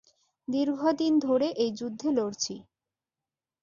দীর্ঘদিন ধরে এই যুদ্ধে লড়ছি।